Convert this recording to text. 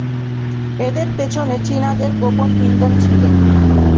এদের পেছনে চীনাদের গোপন ইন্ধন ছিল।